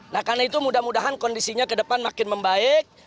nah karena itu mudah mudahan kondisinya ke depan makin membaik